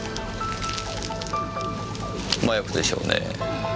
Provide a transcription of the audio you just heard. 麻薬でしょうね。